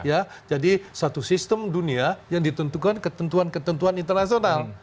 ya jadi satu sistem dunia yang ditentukan ketentuan ketentuan internasional